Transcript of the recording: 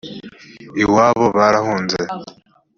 iwabo barahunze